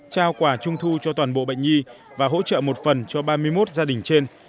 trao quả trung thu cho toàn bộ bệnh nhi và hỗ trợ một phần cho ba mươi một gia đình trên